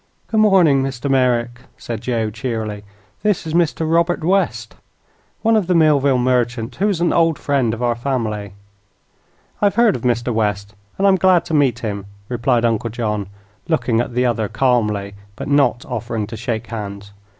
"Good morning, Mr. Merrick," said Joe, cheerily; "this is Mr. Robert West, one of the Millville merchants, who is an old friend of our family." "I've heard of Mr. West, and I'm glad to meet him," replied Uncle John, looking at the other calmly, but not offering to shake hands.